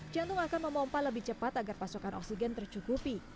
jantung akan memompah lebih cepat agar pasokan oksigen tercukupi